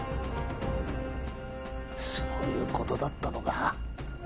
そういう事だったのか？